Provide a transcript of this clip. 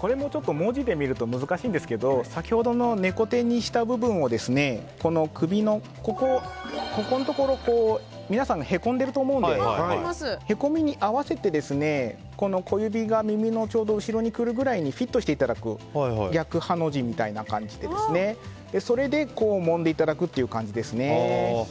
これも文字で見ると難しいんですけど先ほどの猫手にした部分を首のここのところ皆さん、へこんでると思うので凹みに合わせて、小指が耳の後ろにちょうど来るくらいにフィットしていただく逆ハの字みたいな感じにそれでもんでいただくっていう感じですね。